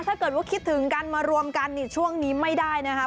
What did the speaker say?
ถ้าเกิดว่าคิดถึงกันมารวมกันช่วงนี้ไม่ได้นะครับ